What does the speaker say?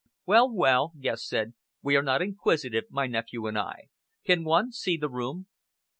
"Well, well!" Guest said, "we are not inquisitive my nephew and I. Can one see the room?"